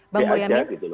bang boya mir